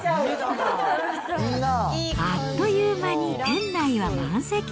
あっという間に店内は満席。